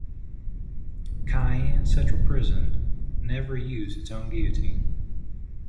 Cayenne Central Prison never used its own guillotine.